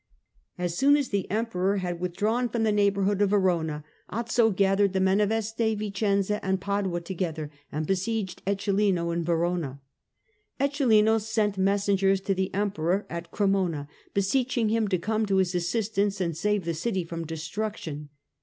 As soon as the Emperor had withdrawn THE CONQUEROR 149 from the neighbourhood of Verona, Azzo gathered the men of Este, Vicenza and Padua together, and besieged Eccelin in Verona. Eccelin sent messengers to the Em peror at Cremona, beseeching him to come to his assis tance and save the city from destruction.